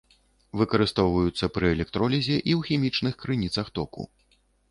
Выкарыстоўваюцца пры электролізе і ў хімічных крыніцах току.